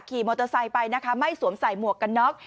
ขี่มอเตอร์ไซค์ไปนะคะไม่สวมใส่หมวกกันน็อก